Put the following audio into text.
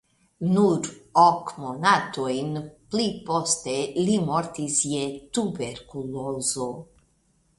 Nur ok monatojn pli poste li mortis je tuberkulozo.